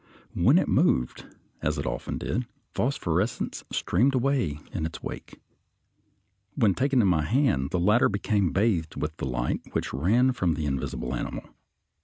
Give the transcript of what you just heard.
When it moved, as it often did, phosphorescence streamed away in its wake. When taken in my hand the latter became bathed with the light which ran from the invisible animal.